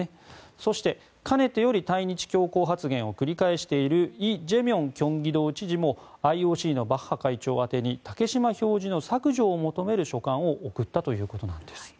そして、かねてより対日強硬発言を繰り返しているイ・ジェミョン京畿道知事もＩＯＣのバッハ会長宛てに竹島表示の削除を求める書簡を送ったということです。